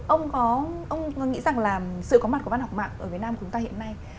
ông nghĩ rằng là sự có mặt của văn học mạng ở việt nam của chúng ta hiện nay